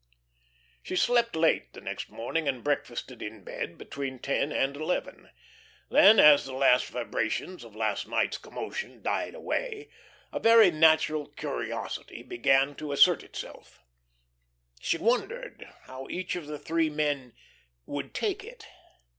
She slept late the next morning and breakfasted in bed between ten and eleven. Then, as the last vibrations of last night's commotion died away, a very natural curiosity began to assert itself. She wondered how each of the three men "would take it."